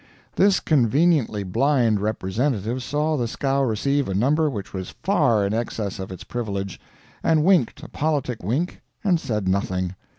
This conveniently blind representative saw the scow receive a number which was far in excess of its privilege, and winked a politic wink and said nothing.